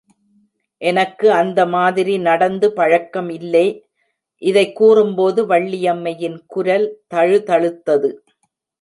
எனக்கு அந்த மாதிரி நடந்து பழக்கம் இல்லே, இதை கூறும்போது வள்ளியம்மையின் குரல் தழுதழுத்தது.